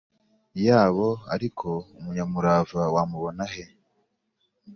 yabo Ariko umunyamurava wamubona he